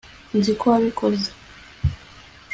nzi ko wabikoze